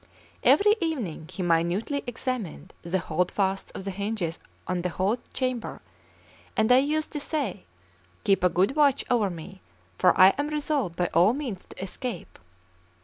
Every evening he minutely examined the holdfasts of the hinges and the whole chamber, and I used to say: "Keep a good watch over me, for I am resolved by all means to escape."